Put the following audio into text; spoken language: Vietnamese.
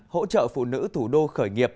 hỗ trợ phụ nữ thủ đô khởi nghiệp